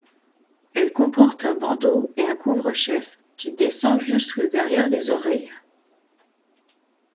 Elle comporte un bandeau et un couvre-chef qui descend jusque derrière les oreilles.